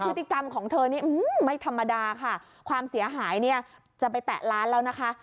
พฤติกรรมของเธอนี่ไม่ธรรมดาค่ะความเสียหายเนี่ยจะไปแตะร้านแล้วนะคะ